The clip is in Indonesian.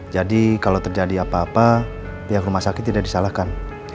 jadi kalau terjadi apa apa pihak rumah sakit tidak disalahkan